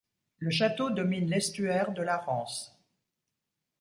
Le château domine l'estuaire de la Rance.